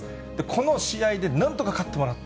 この試合でなんとか勝ってもらっ